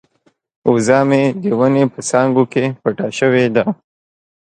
وزه مې د ونې په څانګو کې پټه شوې ده.